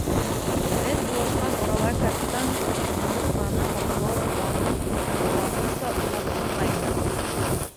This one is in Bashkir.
Беҙ булашҡан арала капитан нығытманы һаҡлау планын аҙағынаса уйлап ҡуйғайны: